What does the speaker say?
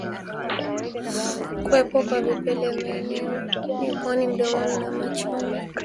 Kuwepo kwa vipele maeneo ya puani mdomoni na machoni